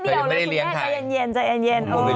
น้องยังไม่ได้เลี้ยงเดียวแล้วคุณแม่ใจเย็น